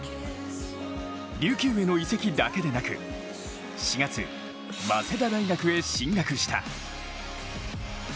琉球への移籍だけでなく４月、早稲田大学へ進学した。